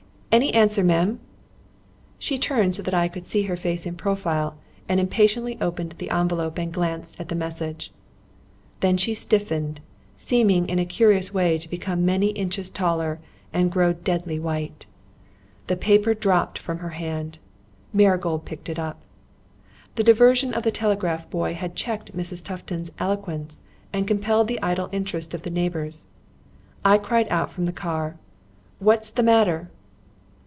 "Any answer, ma'am?" She turned so that I could see her face in profile, and impatiently opened the envelope and glanced at the message. Then she stiffened, seeming in a curious way to become many inches taller, and grew deadly white. The paper dropped from her hand. Marigold picked it up. The diversion of the telegraph boy had checked Mrs. Tufton's eloquence and compelled the idle interest of the neighbours. I cried out from the car: "What's the matter?"